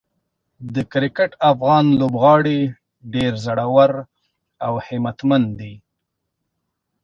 د کرکټ افغان لوبغاړي ډېر زړور او همتمن دي.